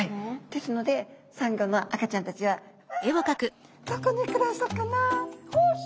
ですのでサンゴの赤ちゃんたちはうわどこで暮らそうかなよし